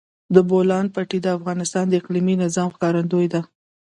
د بولان پټي د افغانستان د اقلیمي نظام ښکارندوی ده.